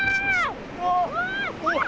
うわっ！